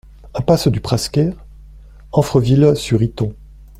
Impasse du Prasquer, Amfreville-sur-Iton